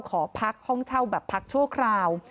ขอพักห้องเช่าแบบพักชั่วคราว